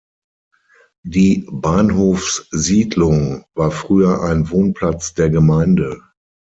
Die "Bahnhofssiedlung" war früher ein Wohnplatz der Gemeinde.